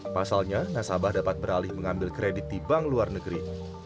pasalnya nasabah dapat beralih mengambil kredit di bank luar negeri